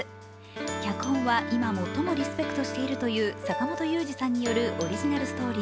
脚本は今、最もリスペクトしているという坂元裕二さんによるオリジナルストーリー